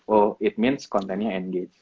oh it means kontennya endga